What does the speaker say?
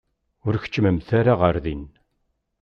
Ur keččmemt ara ɣer din.